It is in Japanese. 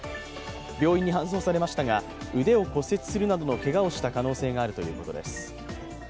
病院に搬送されましたが、腕を骨折するなどのけがをした可能性があるということです。